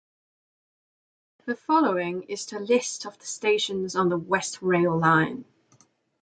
The following is a list of the stations on the West Rail Line.